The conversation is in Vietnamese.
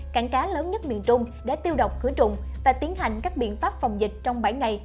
cảng cá lớn nhất miền trung đã tiêu độc khử trùng và tiến hành các biện pháp phòng dịch trong bảy ngày